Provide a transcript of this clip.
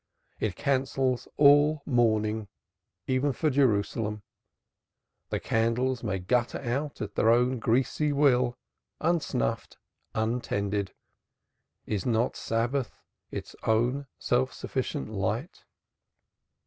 It cancels all mourning even for Jerusalem. The candles may gutter out at their own greasy will unsnuffed, untended is not Sabbath its own self sufficient light?